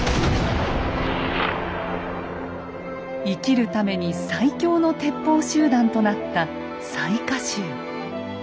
生きるために最強の鉄砲集団となった雑賀衆。